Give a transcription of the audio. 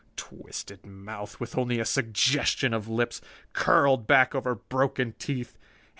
Twisted mouth, with only a suggestion of lips, curled back over broken teeth.